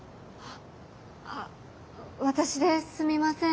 あ私ですみません。